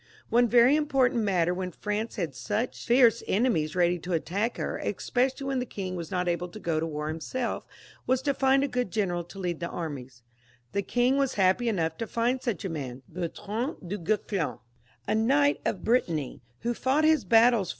One very important \ matter when France had such fierce enemies ready to i attack her, especially when the king was not able to go to XXVII.] CHARLES V, (LE SAGE). 177 ■''''■——— war himself, was to find a good general to lead the armies. The king was happy enough to find such a man, Bertrand Dn Guesclin, a knight of Brittany, who fought his battles